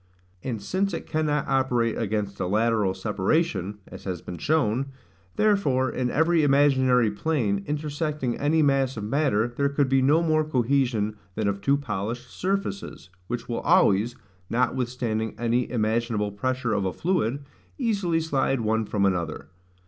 And since it cannot operate against a lateral separation, (as has been shown,) therefore in every imaginary plane, intersecting any mass of matter, there could be no more cohesion than of two polished surfaces, which will always, notwithstanding any imaginable pressure of a fluid, easily slide one from another.